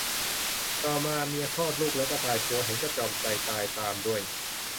ต่อมาเมียคลอดลูกแล้วก็ตาย ผัวเห็นก็ตรอมใจตายตามด้วย